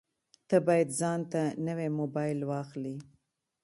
ته باید ځانته نوی مبایل واخلې